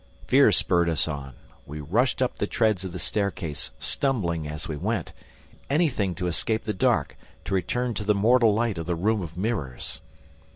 Fear spurred us on. We rushed up the treads of the staircase, stumbling as we went, anything to escape the dark, to return to the mortal light of the room of mirrors!